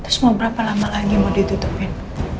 terus mau berapa lama lagi mau ditutupin